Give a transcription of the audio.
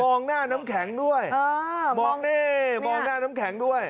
หน้าน้ำแข็งด้วยมองนี่มองหน้าน้ำแข็งด้วย